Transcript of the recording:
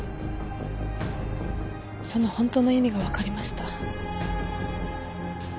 そのホントの意味が分かりました。